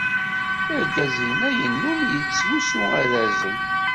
Argaz-inna yennum yettlusu arazal.